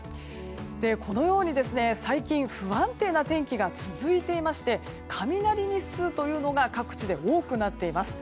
このように最近、不安定な天気が続いていまして雷日数というのが各地で多くなっています。